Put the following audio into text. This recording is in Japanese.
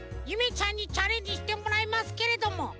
ゆめちゃんにチャレンジしてもらいますけれども。